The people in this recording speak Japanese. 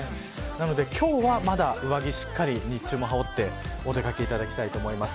なので今日はまだ上着しっかり日中は羽織ってお出掛けいただきたいと思います。